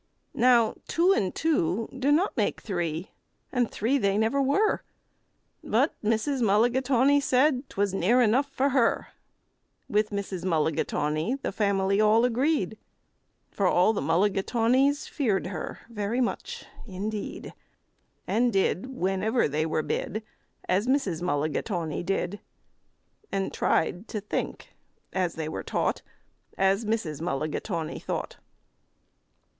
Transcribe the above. Now two and two do not make three, and three they never were; But Mrs. Mulligatawny said 'twas near enough for her. With Mrs. Mulligatawny the family all agreed, For all the Mulligatawnys feared her very much indeed, And did, whenever they were bid, As Mrs. Mulligatawny did, And tried to think, as they were taught, As Mrs. Mulligatawny thought.